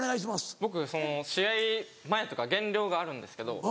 僕試合前とか減量があるんですけど。